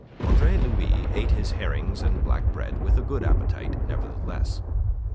Andre Louis ate his herrings and black bread with a good appetite nevertheless.